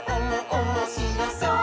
おもしろそう！」